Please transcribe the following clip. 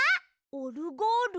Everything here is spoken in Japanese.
オルゴール？